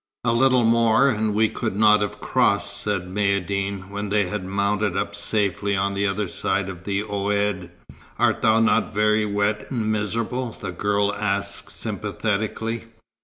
"A little more, and we could not have crossed," said Maïeddine, when they had mounted up safely on the other side of the oued. "Art thou not very wet and miserable?" the girl asked sympathetically.